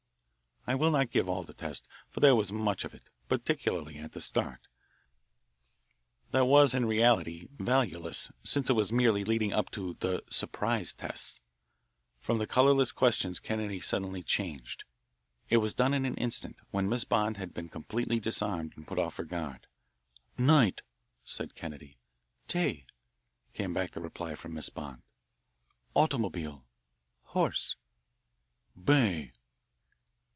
I will not give all the test, for there was much of it, particularly at the start, that was in reality valueless, since it was merely leading up to the "surprise tests." From the colourless questions Kennedy suddenly changed. It was done in an instant, when Miss Bond had been completely disarmed and put off her guard. "Night," said Kennedy. "Day," came back the reply from Miss Bond. "Automobile." "Horse." "Bay."